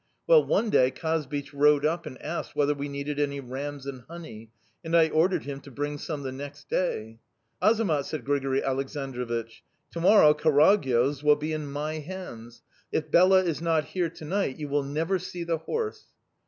Well, one day Kazbich rode up and asked whether we needed any rams and honey; and I ordered him to bring some the next day. "'Azamat!' said Grigori Aleksandrovich; 'to morrow Karagyoz will be in my hands; if Bela is not here to night you will never see the horse.